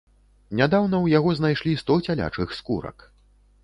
Нядаўна ў яго знайшлі сто цялячых скурак.